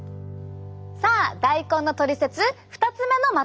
さあ大根のトリセツ２つ目のまとめです。